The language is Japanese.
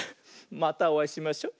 またおあいしましょ。